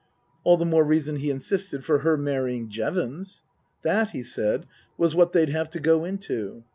All the more reason, he insisted, for her marrying Jevons. That, he said, was what they'd have to go into.